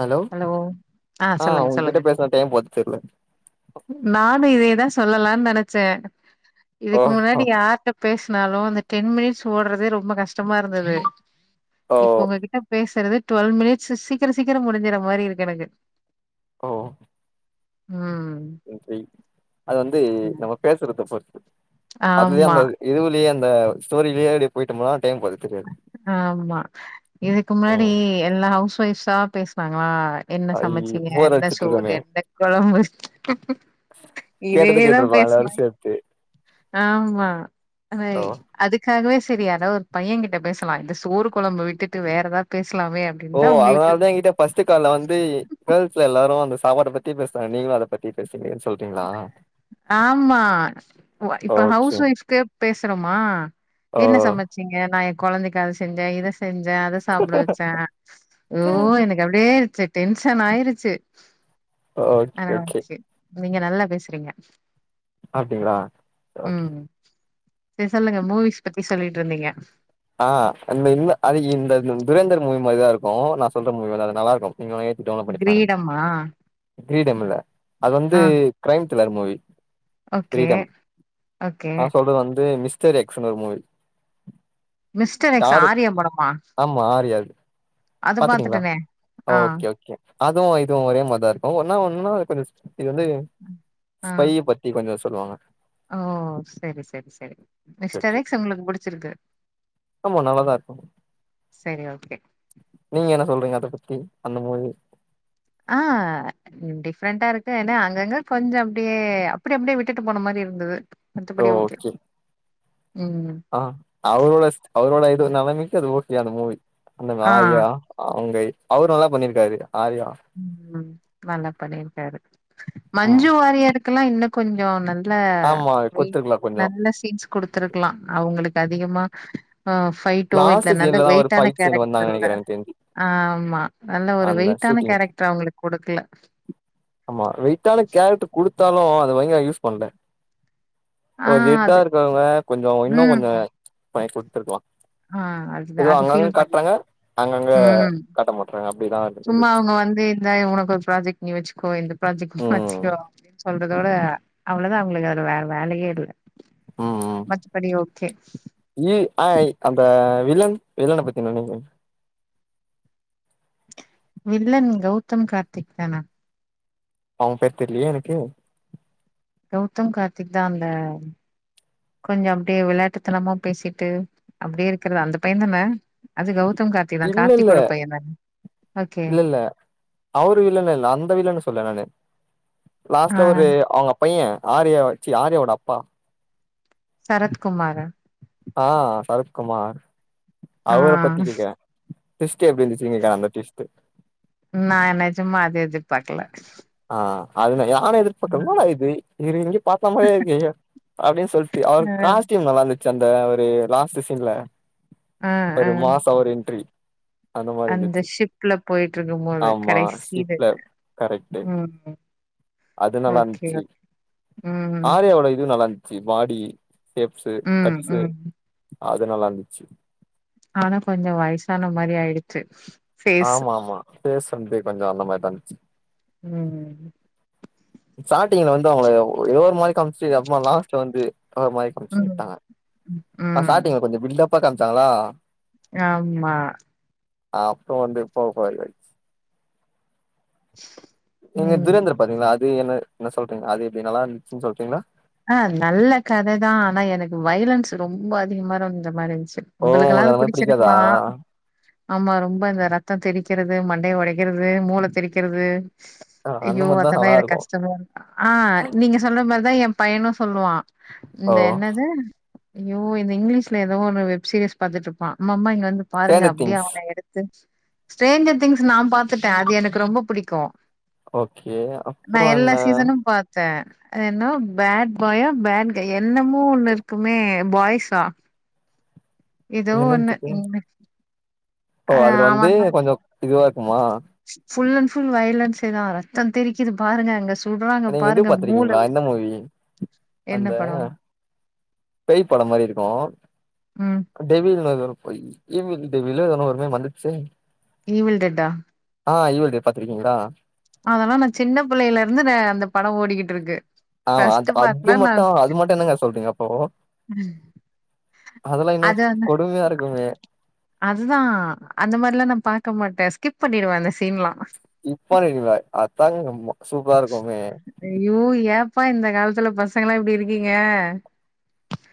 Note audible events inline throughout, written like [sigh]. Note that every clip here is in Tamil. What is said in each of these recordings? ஹலோ ஆ சொல்லுங்க உங்ககிட்ட சொல்லுங்க பேசுன டைம் போரதே தெர்ல நானு இதே தா சொல்லலான் நனைச்சே இதுக்கு ஓஹோ முன்னாடி யார்ட பேசுனாலு அந்த டென் மினிட்ஸ் ஓட்றதே ரொம்ப கஷ்டமா இருந்தது ஓ இப்ப உங்ககிட்டப் பேசுறது டுவெல் மினிட்ஸ் சீக்கிர சீக்கிரம் முடிஞ்சற மாரி இருக்கு எனக்கு ஓ ம் நன்றி அது வந்து நம்ம பேசுறத பொறுத்து அதுதா ஆமா நல் இதுவுலேயே அந்த ஸ்டோரிலேயே அப்டி போயிட்டோம்னா டைம் போர ஆமா இதுக்கு முன்னாடி ம் எல்லா ஹவுஸ் வைஃப்ஸா பேசனாங்ளா என்ன ஐயோ சமைச்சிங்க போர் என்ன அடிச்சிட்டு சோறு இருக்கோமே என்ன கொழம்பு கேட்டது இதேதா கேட்ருப்பா பேசன எல்லாரு சேத்து ஆமா அதை ஓ அதுக்காகவே செரி யாரோ ஒரு பைய கிட்ட பேசலா இந்த சோறு கொழம்ப விட்டுட்டு வேற ஏதாது பேசலாமே ஓ அப்டின்னுதா உங்களுக்கு அதனாலதா என்கிட்ட ஃபர்ஸ்டு கால்ல வந்து கேள்ஸ்ல எல்லாரு அந்த சாப்பாட்ட பத்தியே பேசுறங்க நீங்களும் அத பத் பேசுனிங்கன்னு சொல்றீங்க ஆமா இப்ப ஓகே ஹவுஸ் வைஃப்ஸ்கு பேசுறோமா ஓ என்ன சமைச்சீங்க நான் என் குழந்தைக்கு அதை செஞ்சே இதை செஞ்சே அத சாப்பிட வச்சே ஐயோ எனக்கு அப்படியேச்சு டென்ஷன் ஆயிடிச்சு ஆ ஓகே ஓகே சேர் நீங்க நல்லா பேசுறீங்க அப்டிங்களா ஓகே செரி சொல்லுங்க மூவிஸ் பத்தி சொல்லிட்டு இருந்தீங்க ஆ இந்த இந்த அது இந்த துரேந்தர் மூவி மாரிதா இருக்கும் நான் சொல்ற மூவி வந்து அது நல்லா இருக்கும் நீங்க டவுன்லோட் பண்ணி பாருங்க கிரீடமா கிரீடம் இல்ல அது வந்து ஆ crime thriller movie okay Kireedam okay நா சொல்றது வந்து மிஸ்டர் எக்ஸ் னு ஒரு மூவி மிஸ்டர் எக்ஸ் தாரு ஆரியா படமா ஆமா ஆரியாது அது பாத்துட்டீங்களா பாத்துட்டனே ஆ ஓகே ஓகே அதுவு இதுவு ஒரே மாரிதா இருக்கும் என்னா ஒன்னுனா கொஞ்ச இது வந்து ஆ ச்பைய பத் த்தி கொஞ்சோ சொல்லுவாங்க ஓ செரி செரி சரி ஓகே மிஸ்டர் ஓகே. எக்ஸ் உங்களுக்கு புடிச்சிருக்கு ஆமா நல்லாதா இருக்கு செரி ஓகே நீங்க என்ன சொல்றீங்க அதை பத்தி அந்த மூவி ஆ ம் டிஃப்ரெண்டா இருக்கு ஏன்னா அங்கங்க கொஞ்ச அப்படியே அப்டி அப்படியே விட்டுட்டு போன மாதிரி இருந்தது மத்தபடி ஓகே ம் ஆ அவரோட அவரோட இது நிலைமைக்கு அது ஓகே அந்த மூவி அந்த ஆ ஆர்யா அவங்கை அவரு நல்லா பண்ணிருக்காரு ஆர்யா ம் நல்லா பண்ணிருக்காரு ம். மஞ்சு வாரியருக்லா இன்னு கொஞ்சோ நல் ல்ல ஆமா வெய் கொத்துருக்கலா கொஞ்சோ நல்ல சீன்ஸ் குடுத்துருக்லா அவுங்களுக்கு அதிகமா ஆ ஃபைட்டோ இல்ல லாஸ்ட் நல்ல சீன்லதா ஒரு வெயிட்டான ஃபைட் சீன் கேரக்டர் வந்தாங்கன்னு இல்ல நெனைக்கிறே எனக்கு தெரிஞ்சு ஆமா நல்ல ஒரு அந்த வெயிட் ட்டான ஷூட்டிங் கேரக்டர் அவுங்களுக் குடுக்கல ஆமா வெயிட்டான கேரக்ட் குடுத்தாலு அத ஒழுங்கா யூஸ் பண்ல ஆ ஒரு ஹிட்டா அது. இருக்கவங்க கொஞ்சோ இன்னு ம். கொஞ்சோ பய குடுத்துருக்லா ஆ அது இல்ல அது ஃபீல் பண்ணே அங்கங்க ம் காட்ட மாட்றாங்க அப்டிதா சும்மா இருந்துச்சு அவுங்க வந்து இந்தா உனக்கு ஒரு ப்ராஜெக்ட் நீ வெச்சுகோ இந்த ப்ராஜெக்ட் நீ ம் வெச்சுகோ அப்டி சொல்றதோட அவ்ளதா அவுங்களுக்கு அதுல வேற வேலையே இல்ல மத்தபடி ஓகே வி ஐ அந்த வில்லன் வில்லன பத்தி என்ன நெனைக்கிறீங்க வில்லன் கௌதம் கார்த்திக் தான அவுங்க பேர் தெர்லயே எனக்கு கௌதம் கார்த்திக்தா அந்த கொஞ்சோ அப்டியே வெளாட்டுத்தனமா பேசிட்டு அப்டியே இருக்குல அந்த பையந்தான அது கௌதம் கார்த்திதா இல்ல இல்ல கார்த்திக்கோட பையந்தானே இல்ல இல்ல அவரு வில்லனு இல்ல அந்த வில்லன சொல்ல நானு ஆ லாஸ்டா ஒரு அவுங்க பைய ஆரியா சீ ஆரியவோட அப்பா சரத்குமாரா ஆ சரத்குமார் ஆ அவர பத்தி கேக்குறே ட்விஸ்ட் எப்டி இருந்துச்சுனு கேக்குறே அந்த ட்விஸ்ட்டு நா நெஜம்மா அத எதிர்பாக்கல ஆ அதுதா யானு எதிர்ப்பாக்கல என்னடா இது இவரு எங்கயோ பாத்தா மாரியே இருக்கே அப்டினு சொல்ட்டு அ, அவரு காஸ்ட்யூம் நல்லா இருந்து ச்சு அந்த அவரு லாஸ்ட்டு சீன்ல அ, அ. ஒரு மாஸ்சா ஒரு என்ட்ரி மாரி அந்த இருந்துச்சு ஷிப்ல போயிட் இருக்கும் போது ஆமா கடைசி ஷிப்ல இதுல கரெக்ட்டு ம் அது நல்லா ஓகே இருந்ச்சு ம் ஆரியாவோட இதுவு நல்லாந் ச்சு பாடி ஷேப்ஸூ ம் கட்ஸு ம் அது நல்லா இருந்ச்சு ஆனா கொஞ்சொ வயசான மாரி ஆயிடுச்சு ஃபேஸ் ஆமா ஆமா பேஸ் வந்து கொஞ்சொ அந்த மாரிதா இருந்ச்சு ம் ம் ம் சார்டிங்ல வந்து அவங்கள எதோ ஒரு மாரி காம்ச்சு அப்பமா லாஸ்ட் வந்து ஒரு மாரி புட்ச்சி ம் விட்டாங்க நா ம் ஸார்டிங் கொஞ்சொ பில்டப்பா காம்ச்சாங்களா ஆம்மா ஆ அப்றோ வந்து இப்ப கூட நீங்க ம் துரேந்தர் பாத்தீங்களா அது என்ன என்ன சொல்றீங்க அது எப்டி நல்லா இருந்துச்சுனு சொல்றீங்ளா ஆ நல்ல கததா ஆனா எனக்கு வைலன்ஸ் ரொம்ப அதிகமா இருந்த மாரி இருந்ச்சு ஓ உங்களுக்லா உங்களுக்கு அது அந்த மாரி பிடிக்காதா புடிச்சிருக்லா ஆமா ரொம்ப இந்த ரத்தொ தெரிக்கிறது மண்டய ஒடைக்கிறது மூள தெரிக்கிறது ஆ அந்த ஐயோ மாரிதா அதெலா நல்லா எனக் இருக்கு கஷ்டமா இருக்கு ஆ நீங்க சொல்ற மாரிதா எ பையனு சொல்லுவா ஓ இந்த என்னது ஐயோ இந்த இங்கிலீஷ்ல ஏதோ ஒன்னு வெப் சீரிஸ் பாத்துட்ருப்பா மம்மா இங்க வந்து பாருங்க ஸ்ட்ரேஞ்சர் அப்டியே திங்ஸ் அவன எடுத் து ஸ்ட்ரேஞ்சர் திங்ஸ் நா பாத்துட்டே அது எனக்கு ரொம்ப புடிக்கு ஓகே நா அப்புறோ எல்லா என்ன சீசனு பாத்தே என்னோ பேட் பாயா பேட் க என்னமோ ஒன்னு இருக்குமே பாய்ஸா எதோ என்னன்னு ஒன்னு தெர்ல இங்க ஓ அ அதுல வந்து அவன் தான் கொஞ்ச இதுவா இருக்குமா ஃபுல் அண்ட் ஃபுல் வயலன்ஸேதா ரத்த தெரிக்குது பாருங்க அங்க சுட்றாங்க நீங்க இது பாருங்க மூள பாத்திருக்கீங்களா என் இந்த மூவி என்ன அந்த பட பேய் பட மாரி இருக்கு ம் டெவில்ங்க அது பொய் ஈவில் டெவில் எதனோ ஒரு நேம் வந்துச்சே ஈவில் டெட்டா ஆ ஈவில் டெட் பாத்துருக்கீங்களா அதெல்லா நா சின்ன புள்ளைல இருந்து தா அந்த பட ஓடிக்கிட்ருக்கு ஆ அ அது மட்டு அது மட்டு என்னங்க சொல்றீங்க அப்போ அதெல்லா இன்னு கொடுமயா இருக்குங்க அதுதா அந்த மாரிலா நா பாக்க மாட்டே ஸ்கிப் பண்ணிடுவே அந்த சீன்லா இப்ப இருக்குதெ அதாங்க மொ சூப்பரா இருக்குங்க ஐயோ ஏப்பா இந்த காலத்துல பசங்கலா இப்டி இருக்கீங்க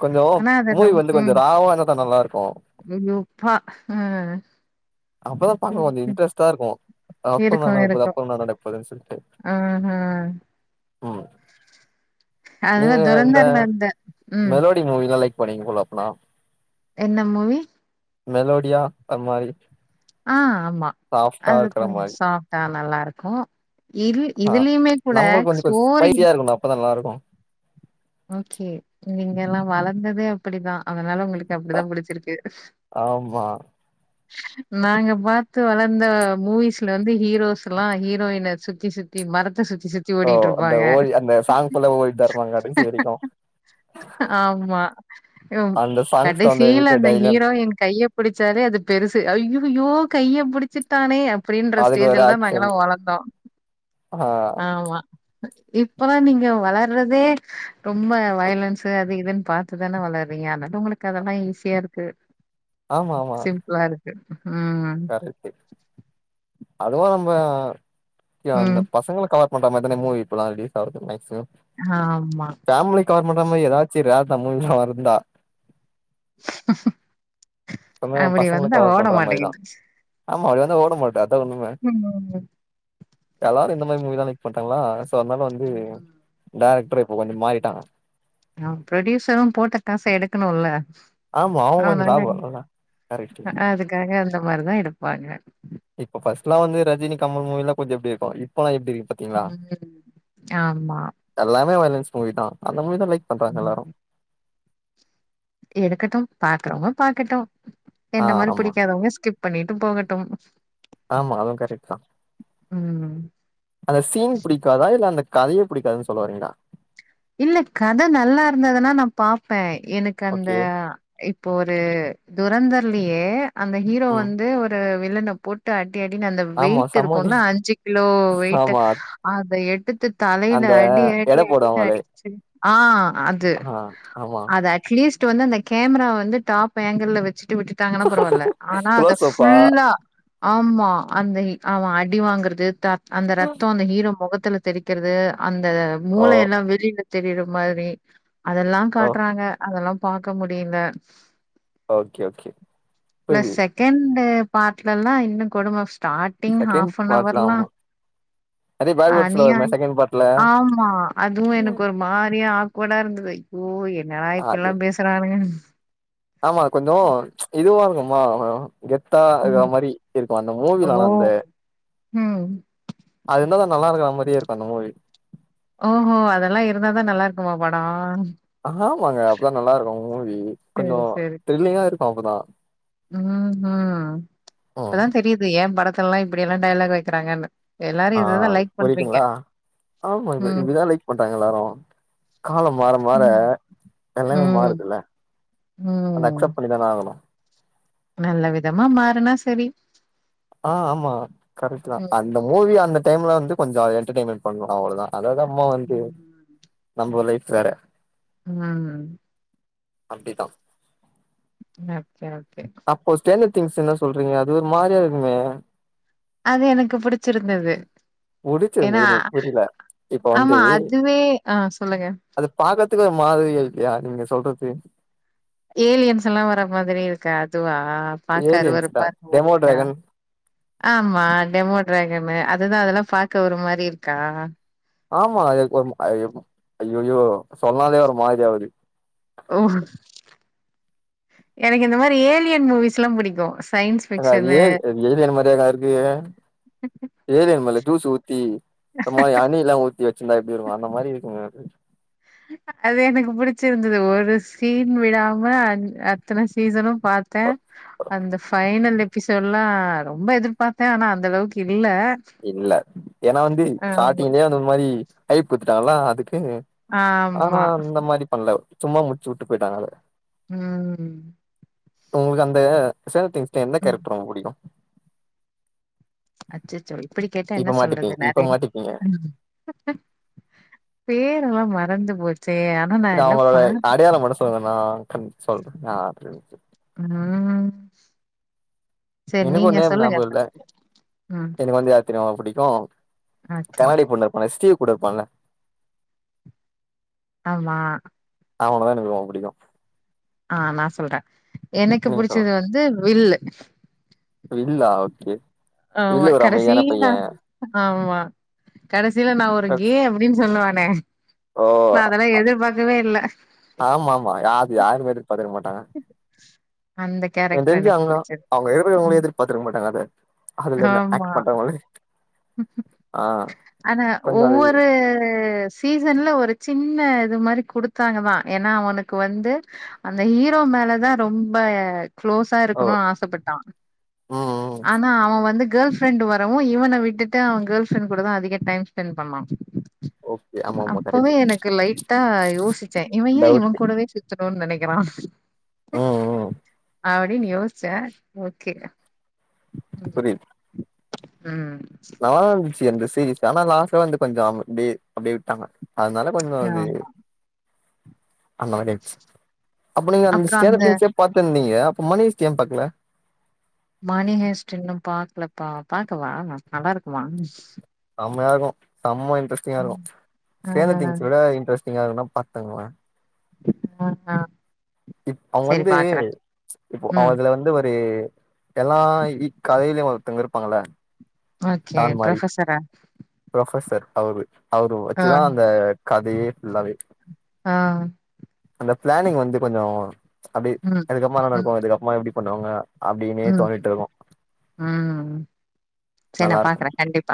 கொஞ்சோ ஆனா அத மூவி வந்து கொஞ்சோ ராவ இருந்தத்தா நல்லா இருக்கு ஐயயோ ப்பா ஹ அப்பதா பாக்க கொஞ்ச இன்ட்ரெஸ்டா இருக்கு அப்பற ன்னா இருக்கும், நடக்கபொது இருக்கும். அப்பற ன்னா நடக்கப்பதுன்னு சொல்ட்டு ம் அதுனல நீங்க இந்த துரந்தர் வந்து ம் [inaudible] மூவிலா லைக் பண்ணுவீங்க போல அப்பனா என்ன மூவி மெலோடியா அந்த மாரி ஆஹ் ஆமா சாஃப்டா அது இருக்கற கொஞ் மாரி சாஃப்டா நல்லாருக்கு இல் ஆ இதுலியுமே கூட நம்மளுக்கு கொஞ்சோ கொஞ்சோ ஸ்டோரி ஸ்பைசியா அப்பதா நல்லாருக்கு ஓகே நீங்கெல்லா வளந்ததே அப்டிதா அதனால உங்கள் அது அப்டிதா புடிச்சிருக்கு ஆமா நாங்க பாத்து வளந்த மூவிஸலிந்து ஹீரோஸல்லா ஹீரோயின சுத்தி சுத்தி மரத்த சுத்தி சுத் ஓ அந்த ஓடி அந்த சாங் ஃபுல்லா ஓடிட்டு தா இருப்பாங் கடைசி வரி ஆமா அந்த சாங்ஸ் தா வந்து எங்க கடைசீல வீட்ல அந்த டெய்லியு ஹீரோ யின் கைய புடிச்சாலே அது பெருசு ஐயோயோ கைய புடிச் சிட்டானே அப்டின்ற அதுக்கு ஒரு ஸ்டேஜ்ல தா ஆக்ஷன் நாங்கல்லா வளந்தோ ஆ ஆமா இப்பெல்லா நீங்க வளர்றதே ரொம்ப வயலன்ஸ்ஸு அது இதுன்னு பாத்துதானே வளர்றீங்க அதான்டா உங்களுக்கு அதெல்லா ஈஸியா இருக்கு ஆமா சிம்பிளா இருக்கு ம் அதுவா நம்ப இங்க அந்த ம் பசங்கள கவர் முன்னமேர்தானா மூவி இப்பலா ரிலீஸ் ஆவுது மேக்ஸிமம் ஆமா ஃபேமிலி கவர் பண்ற மாரி எதாச்சு ரேர் டா மூவிலா வருண்டா எப்பவுமே அப்டி பசங்கள வந்தா கவர் ஓட பண்ற மாரிதா மாட்டிங்குது ஆமா அப்டி வந்தா ஓட மாட்டே அதா உண்ம ம் எல்லாரு இந்த மாரி மூவி தா லைக் பண்ட்டாங்களா சோ அதனால வந்து ம் டைரக்டர் இப்ப கொஞ்ச மாறிட்டாங்க ஆ ப்ரொடியூசரு போட்ட காச எடுக்குணுல ஆமா அவ கொஞ்ச லாபோ வரணுல்லா கரெக்ட்டு கக அந்த மார்தா எடுப்பாங்க இப்ப ஃபர்ஸ்ட்லா வந்து ரஜினி கமல் மூவிலா கொஞ்சோ எப்டி இருக்கோ இப்பலா எப்டி இருக் பா ஆமா எல்லாமே வயலன்ஸ் மூவிதா அந்த மூவி தா லைக் பண்றாங்க எல்லாரு ம் எடுக்கட்டும் பாக்குறவங்க பாக்கட்டோ ஆ என்ன மாரி ஆமா புடிக்காதவங்க ஸ்கிப் பண்ணிட்டும் போகட்டும் ஆமா அது கரெக்ட் தா ம் அந்த சீன் புடிக்காதா இல்ல அந்த கதையே புடிக்காதுன் சொல்ல வரீங்ளா இல்ல கத நல்லா இருந்ததுன்னா நா பாப்பே எனக்கு அந்த ஓகே இப்ப ஒரு துரந்தர்லியே அந்த ஹீரோ ம் வந்து ஒரு வில்லன போட் டு அடினு அடினு அந்த ஆமா வெயிட் சமாளி இருக்கோல அஞ்சு கிலோ வெய்டு ஆமா அத எடுத்து தலையில அந்த அடி அடி எட அடின் போடுவாங்களே அடிச்சு ஆ அது ஆ ஆமா த அட்லீஸ்ட் வந்து அந்த கேமரா வந்து டாப் ஆங்கிள்ல வச்சிட்டு விட்டு ட்டாங்கன்ன பரவால்ல ஆனா அத குளோசப்பா ஃபுல்லா ஆமா அந்த அவ அடி வாங்கறது த அந்த ரத்தோ அந்த ஹீரோ மொகத்துல தெரிக்கிறது அந்த ஓ மூளை எல்லா வெளில தெரியிற மாரி அதெல்லா ஓ காட்றாங்க அதெல்லா பாக்க முடியில ஓகே ஓகே புரிய்து செகண்ட்டு பார்ட்லல்லா இன்னு கொடும ஸ்டார்டிங் செகண்ட் ஹாஃப் அன் பார்ட்ல ஹவர்லா ஆமா நெறைய ஆ பேட் நீ வேர்ட்ஸ்லா வருமே ஆய் செகண்ட் பார்ட்ல ஆமா அதுவு எனக்கு ஒரு மாரியா ஆக்வோடா இருந்தது ஐயோ என்னா அது இப்பில்லா பேசுறானுங்க ஆமா கொஞ்சோ இதுவா இருக்குமா அதனால கெத்தா இருக்கற ம் மாரி இருக்கோ அந்த மூவி நல்லா ஓ இருந்த ம் அது என்ன தான் நல்லா இருக்க மாரியே இருக்கோ அந்த மூவி ஓஹோ அதெல்லா இருந்தாதா நல்லா இருக்குமா படோ ஆமாங்க அப்பதா நல்லா இருக்கோ மூவி கொஞ்சோ சரி, த்ரில்லிங்கா இருக்கோ அப்பதா ம் ம் இப்பதா தெரியுது ஏன் படத்துல எல்லா இப்டி எல்லா டைலாக் வைக்கிறாங்கன்னு ஆ எல்லாரும் இதுதான் லைக் பண்றீங்க. புரியதுங்களா ஆமா இப்ப இப்டிதா ம். லைக் பண்றாங்க எல்லாரு காலம் மாற மாற ம். எல்லாமே ம். மாறுதுல அத ம். அக்செப்ட் பண்ணி தானே ஆகனு நல்ல விதமா மாறுனா சரி ஆ ஆமா கரெக்ட்டு தா அந்த ம். மூவி அந்த டைம்ல வந்து கொஞ்சோ என்டர்டெய்ன்மெண்ட் பண்ணோ அவ்ளோதா அததா சும்மா வந்து ம். நம்ப லைஃப் வேற ம் ம் அப்டிதா நச்சார் பேக் அப்போ ஸ்டேஞ்சர்ஸ் திங்க்ஸ் என்ன சொல்றீங்க அது ஒரு மாரியா இருக்குமே அது எனக்கு புடிச்சிருந்தது ஏன்னா புடிச்சிருந்தது எனக்கு புரியல இப்ப வந்து ஆமா அதுவே ஆ சொல்லுங்க அது பாக்கறதுக்கு ஒரு மாதிரி இருக்கு இல்லையா நீங்க சொல்றது ஏலியன்ஸ்லா வர்ற மாதிரி இருக்கே அதுவா பாக்க ஏலியன்ஸ்ல அருவருப்பா அந்த மாரி டெமோ இருக்கா டிராகன் ஆமா டெமோ ட்ராகன் அது தா அதெல்லா பாக்க ஒரு மாரி இருக்கா ஆமா அது ஒரு ஐ ய ஐயயோ சொன்னாலே ஒரு மாதிரி ஆவுது ஓ எனக்கு இந்த மாரி ஏலியன் மூவிஸ் எல்லா புடிக்கு சயின்ஸ் அது ஏ ஏலியன் மாரியாங்க இருக்கு ஏலியன் மேல ஜூசு ஊத்தி இந்த மாரி அணி எல்லா ஊத்தி வச்சிருந்தா எப்டி இருக்கோ அந்த மாரி இருக்குங்க அது அது எனக்கு புடிச்சிருந்தது ஒரு சீன் விடாம அத் அத்தன சீசனும் பாத்த அந்த ஃபைன் பைனல் எபிசோட் எல்லா ரொம்ப எதிர்பார்த்தே ஆனா அந்த அளவுக்கு இல்ல இல்ல ஏன்னா வந்து ஆமா. ஸ்டார்ட்டிங்லயே அந்த மாரி ஐப் குடுத்துட்டாங்களா அதுக்கு ஆனா ஆமா. அந்த மாரி பண்ல சும்மா முடிச்சு உட்டு போயிட்டாங்களே ம் ம் ஒங்களுக்கு அந்த ஸ்டேஞ்சர்ஸ் திங்க்ஸ் ல எந்த ம். கேரக்டர் ரொம்ப புடிக்கு அச்சச்சோ இப்பிடி கேட்டா என்ன இப்ப சொல்றது மாட்டிப்பீங்க இப்ப நெறை மாட்டிப்பீங்க பேரலா மறந்து போச்சே அப் சேரி அவங்களோட அடையாளம் மட்டு சொல்ங்க நா கண் சொல்றே யாருண்டு ஆனா சேர் எனக்கு ஒரு நீங்க நேம் சொல்லுங்க ஞாபகம் இல்ல ஃபஸ்ட்டு எனக்கு வந்து யாரத் தெரியுமா புடிக்கு ஓகே. கண்ணாடி பொண்ணு அவன் எஸ் டி கூட இருப்பான்ல ஆமா அவனதா எனக்கு ரொம்ப புடிக்கு ஆ நா சொல்றே எனக்கு நீங்க புடிச்சது சொல்லுங்க வந்து வில்லு வில்லா ஓகே ஆமா வில்லு ஒரு அமைதியான கடைசில பைய ஆமா கடைசியில நா ஒரு கேம் அப்டின் சொல்லுவானே ஓ நான் அதெல்லாம் எதிர்பார்க்கவே இல்ல. ஆமா ஆமா யாது யாருமே எதிர்பாத்திருக்க மாட்டாங்க அந்த எனக்கு கேரக்டர் தெரிஞ்சு அங்க புடிச்சது. அவுங்க இருக்குறவங்களே ம். எதிர்பாத்திருக்க மாட்டாங்க அத அதுலந்த ஆமா. ஆக்ட் பண்றவங்களே ஆ ஆனா கொஞ்சோ அது ஒவ்வொரு சீசன்ல ஒரு சின்ன இது மாரி குடுத்தாங்கதா ஏன்னா அவனுக்கு வந்து அந்த ஹீரோ மேலதா ரொம்ப க்ளோஸா ஓ இருக்கனு ஆசப்பட்டா ம் ம் ஆனா அவ வந்து கேர்ள் ஃப்ரெண்ட் வரவு இவன விட் டுட்டு அவ கேர்ள் ஃப்ரெண்ட் கூடதா அதிக டைம் ஸ்பெண்ட் பண்ணா ஓகே ஆமா ஆமா அப்பவே கரெக்ட் எனக்கு லைட்டா யோசிச்சே இவ ஏ இவ டவுட் கூடவே சுத் தனு நெனைக்கிறா ம் ம் அப்டின் யோஸ்ச்ச ஓகே புரியிது ம் நல்லாதா இருந்துச்சு அந்த சீரியஸ் ஆனா லாஸ்ட்ல வந்து கொஞ்சோ அப்டி அப்டியே விட்டாங்க அதனால கொஞ்ச அது ஆமா. அந்த மாரி ஆடுச்சு அப்போ நீங்க அந்த ஸ்கேடட் திங்ஸே பாத்தின்தீங்க அப்ப மணிஸ் ஏ பாக்கல மணிஹேஸ்ட் இன்னு பாக்கலப்பா பாக்கவா நல்லா இருக்குமா செம்மைய இருக்கு செம்ம இன்ட்ரெஸ்டிங்கா இருக்கு ஆ, ஸ்கேடேட் திங்ஸ் அ விட இன்ட்ரெஸ்டிங்கா இருக்குன்னா பாத்துகோங்களே ஆ ஆ இப் அவ சரி வந்து பாக்குறேன். இப்போ அவ ம். அதுல வந்து ஒரு எல்லா இக்கதையிலயு ஒருத்தவங்க இருப்பாங்கள ஓகே ப்ரொஃபசரா ப்ரொஃபசர் அவரு அவரு ஆ, வெச்சுதா அந்த கதையே ஃபுல்லாவே ஆ அந்த ப்ளானிங் வந்து கொஞ்சோ அப்டி ம். அதுக்கப்புமா நல்ல ம். இருக்கு அதுக்கப்புமா எப்டி பண்ணுவாங்க அப்டினே ம். தோணிட்டு இருக்கு ம் செரி நா நல்லா இருக்கு பாக்குறே கண்டிப்பா